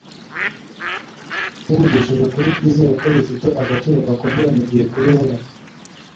Tuvugishije ukuri, twizera ko bifite agaciro gakomeye mugihe kuri wewe